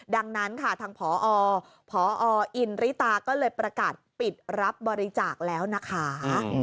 ดังนั้นค่ะทางพอพออินริตาก็เลยประกาศปิดรับบริจาคแล้วนะคะ